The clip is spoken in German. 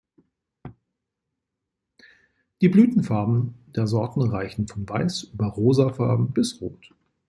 Die Blütenfarben der Sorten reichen von weiß über rosafarben bis rot.